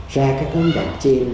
ra các ấn đoạn trên